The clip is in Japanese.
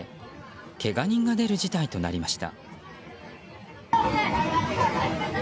けが人が出る事態となりました。